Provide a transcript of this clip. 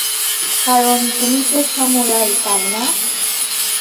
কারণ তুমি তো সামুরাই, তাইনা?